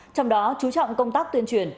trong đó chú trọng công tác tuyên truyền